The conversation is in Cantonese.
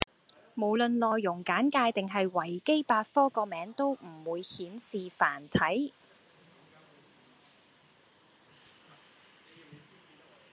無論內容簡介定係維基百科個名都唔會顯示繁體